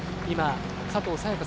今、佐藤早